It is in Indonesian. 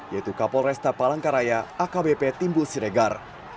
yaitu kapolresta palangkaraya akbp timbul siregar